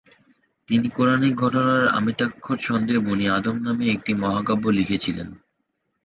তিনি কোরানিক ঘটনার অমিত্রাক্ষর ছন্দে ‘বনি আদম’ নামে একটি মহাকাব্য লিখেছিলেন।